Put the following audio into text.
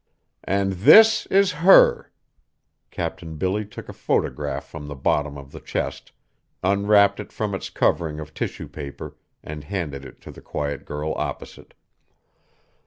"And this is her!" Captain Billy took a photograph from the bottom of the chest, unwrapped it from its covering of tissue paper, and handed it to the quiet girl opposite.